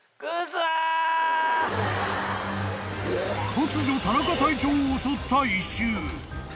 ［突如田中隊長を襲った］